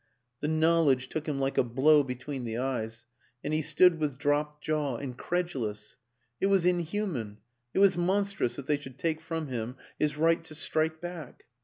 The knowledge took him like a blow between the eyes, and he stood with dropped jaw, incredulous it was inhuman, it was monstrous that they should take from him his right to strike back.